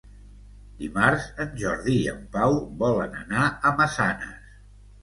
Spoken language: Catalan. Dimarts en Jordi i en Pau volen anar a Massanes.